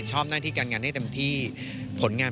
พี่ว่าความมีสปีริตของพี่แหวนเป็นตัวอย่างที่พี่จะนึกถึงเขาเสมอ